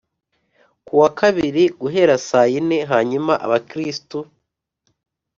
kuba kuwa kabiri, guhera saa yine hanyuma abakristu